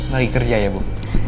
lagi kerja ya bu